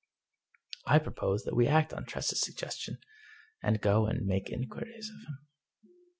" I propose that we act on Tress's suggestion, and go and make inquiries of him."